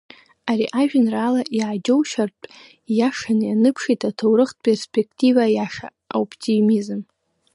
Ари ажәеинраала иааџьоушьартә ииашаны ианыԥшит аҭоурыхтә перспектива иаша, аоптимизм…